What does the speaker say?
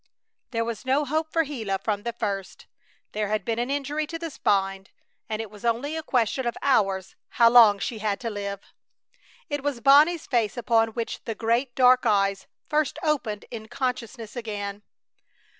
There was no hope for Gila from the first. There had been an injury to the spine, and it was only a question of hours how long she had to stay. It was Bonnie's face upon which the great dark eyes first opened in consciousness again.